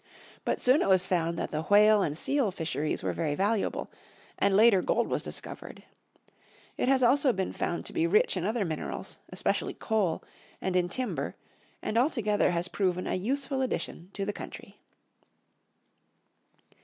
But soon it was found that the whale and seal fisheries were very valuable, and later gold was discovered. It has also been found to be rich in other minerals, especially coal, and in timber, and altogether has proven a useful addition to the country.